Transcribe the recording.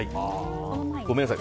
ごめんなさい